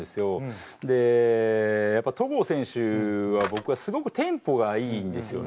でやっぱ戸郷選手はすごくテンポがいいんですよね。